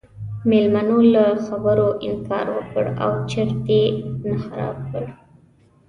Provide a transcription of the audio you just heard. میلمنو له خبرو انکار وکړ او چرت یې نه خراب کړ.